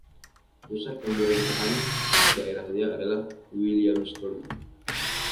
Pusat pemerintahan daerahnya adalah Williamston.